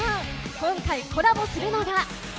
今回、コラボするのが。